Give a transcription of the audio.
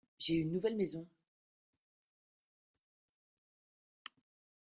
J’ai une nouvelle maison.